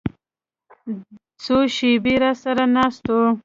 څو شېبې راسره ناست و.